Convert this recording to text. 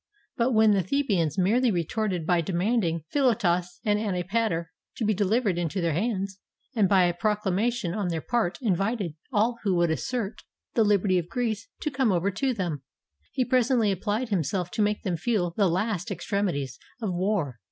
But when the The bans merely retorted by demanding Philotas and Anti pater to be delivered into their hands, and by a procla mation on their part invited all who would assert the Hberty of Greece to come over to them, he presently applied himself to make them feel the last extremities of war.